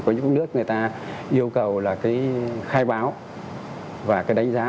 với những nước người ta yêu cầu là cái khai báo và cái đánh giá